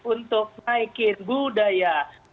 untuk naikin budaya